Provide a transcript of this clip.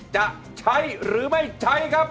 จะใช้หรือไม่ใช้ครับ